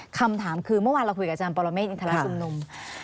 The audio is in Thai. คำถามคือเมื่อวานเราคุยกับอาจารย์ปรเมฆอินทรชุมนุม